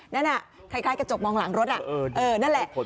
นั่นอ่ะคล้ายกระจกมองหลังรถนั่นแหละ